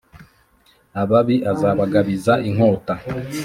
ababi azabagabiza inkota